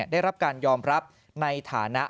ได้รับการยอมรับในฐานะ